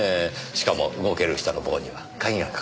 しかも動ける人の房には鍵がかかっている。